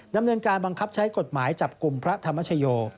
ดำเนินการบังคับใช้กฎหมายจับกลุ่มพระธรรมชโย